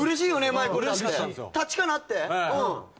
前来れたって立ちかなって？